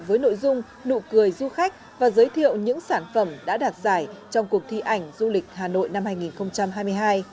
với nội dung nụ cười du khách và giới thiệu những sản phẩm đã đạt giải trong cuộc thi ảnh du lịch hà nội năm hai nghìn hai mươi hai